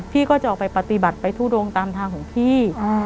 พี่ก็จะออกไปปฏิบัติไปทุดงตามทางของพี่